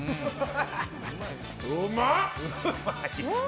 うまっ！